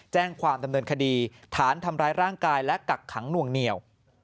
แจ้งความดำเนินคดีฐานทำร้ายร่างกายและกักขังหน่วงเหนียว